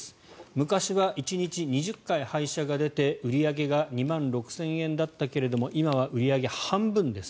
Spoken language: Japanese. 昔は１日２０回、配車が出て売り上げが２万６０００円だったけれども今は売り上げ、半分です。